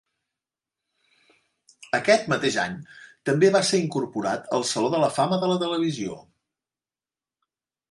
Aquest mateix any, també va ser incorporat al Saló de la Fama de la Televisió.